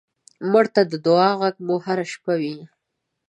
مړه ته د دعا غږ مو هر شپه وي